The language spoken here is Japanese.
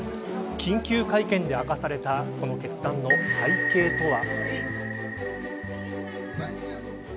緊急会見で明かされたその決断の背景とは。